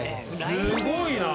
すごいな！